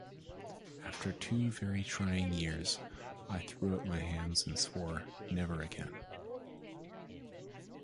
After two very trying years, I threw up my hands and swore ‘Never again’.